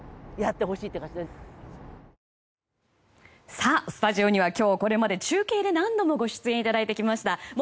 さあ、スタジオにはこれまで中継で何度も出演いただきました元